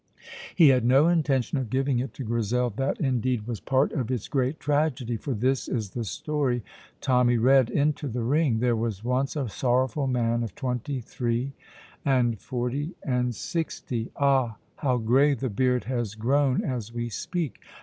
He had no intention of giving it to Grizel. That, indeed, was part of its great tragedy, for this is the story Tommy read into the ring: There was once a sorrowful man of twenty three, and forty, and sixty. Ah, how gray the beard has grown as we speak!